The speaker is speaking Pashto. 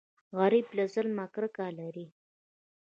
غریب له ظلمه کرکه لري